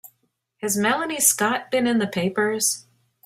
Has Melanie Scott been in the papers?